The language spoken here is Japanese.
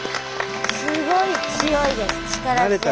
すごい強いです。